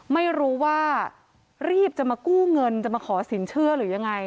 ไม่รู้ว่ารีบจะมากู้เงินจะมาขอสินเชื่อหรือยังไง